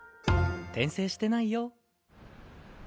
転生してないよ。